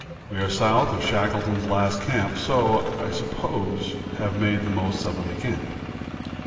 We are south of Shackleton's last camp, so, I suppose, have made the most southerly camp.